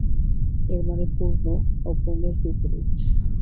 এর মানে পূর্ণ, অপূর্ণের বিপরীত।